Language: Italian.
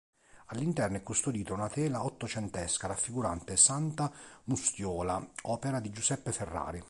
All'interno è custodita una tela ottocentesca raffigurante "santa Mustiola", opera di Giuseppe Ferrari.